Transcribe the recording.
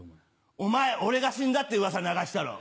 お前俺が死んだってウワサ流したろう？